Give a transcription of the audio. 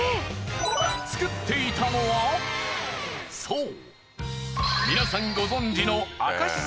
作っていたのはそう皆さんご存じの赤しそ